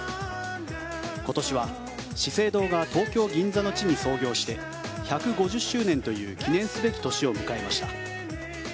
今年は、資生堂が東京・銀座の地に創業して１５０周年という記念すべき年を迎えました。